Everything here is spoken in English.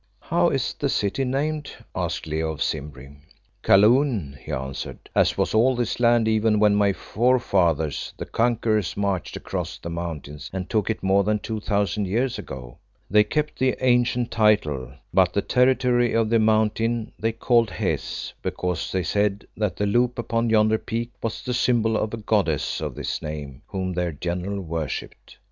"How is the city named?" asked Leo of Simbri. "Kaloon," he answered, "as was all this land even when my fore fathers, the conquerors, marched across the mountains and took it more than two thousand years ago. They kept the ancient title, but the territory of the Mountain they called Hes, because they said that the loop upon yonder peak was the symbol of a goddess of this name whom their general worshipped."